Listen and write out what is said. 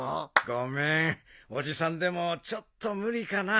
ごめんおじさんでもちょっと無理かな。